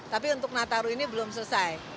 tapi untuk nataru ini belum selesai